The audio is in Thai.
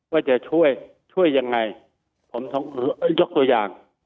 ว่าจะช่วยช่วยยังไงผมต้องยกตัวอย่าง